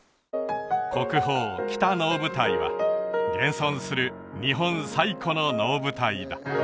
国宝北能舞台は現存する日本最古の能舞台だ